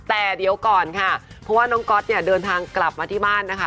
แต่เดี๋ยวก่อนค่ะเพราะว่าน้องก๊อตเนี่ยเดินทางกลับมาที่บ้านนะคะ